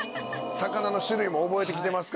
魚の種類も覚えてきてますから。